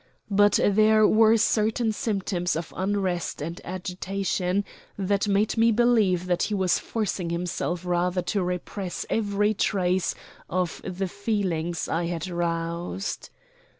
But there were certain symptoms of unrest and agitation that made me believe that he was forcing himself rather to repress every trace of the feelings I had roused.